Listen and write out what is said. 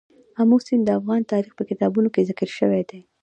آمو سیند د افغان تاریخ په کتابونو کې ذکر شوی دي.